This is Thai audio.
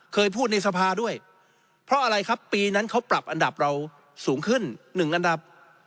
เคยพูดในสภาด้วยเพราะอะไรครับปีนั้นเขาปรับอันดับเราสูงขึ้น๑อันดับ